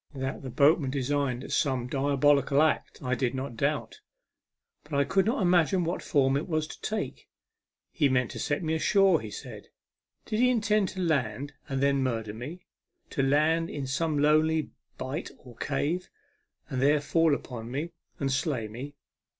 That the boatman designed some diabolical act I did not doubt, but I could not imagine what form it was to take. He meant to set me ashore, he said. Did he intend to land and then murder me ; to land me in some lonely bight or cave, and there fall upon me, and slay me